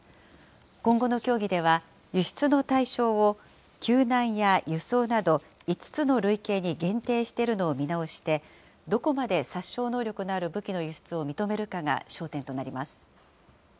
今後の協議では、輸出の対象を救難や輸送など、５つの類型に限定しているのを見直して、どこまで殺傷能力のある武器の輸出を認めるかが焦点となります。